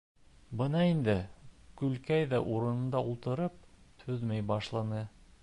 Бына инде Гөлкәй ҙә урынында ултырып түҙмәй башланы.